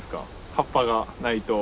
葉っぱがないと。